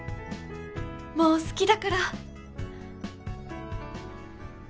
もう好きだから！